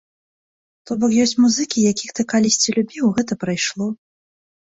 То бок, ёсць музыкі, якіх ты калісьці любіў, і гэта прайшло.